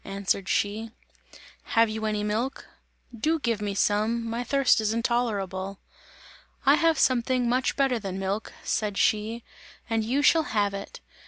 answered she. "Have you any milk? Do give me some, my thirst is intolerable!" "I have something better than milk," said she, "and you shall have it!